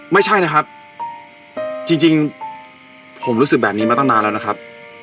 ไม่ใช่นะครับจริงผมรู้สึกแบบนี้มาตั้งนานแล้วนะครับ